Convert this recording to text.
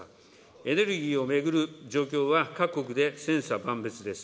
エネルギーを巡る状況は各国で千差万別です。